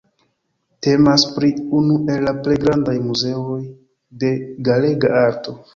Temas pri unu el la plej grandaj muzeoj de galega arto.